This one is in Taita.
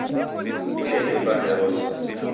kudeme mbande rose.